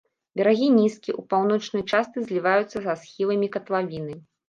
Берагі нізкія, у паўночнай частцы зліваюцца са схіламі катлавіны.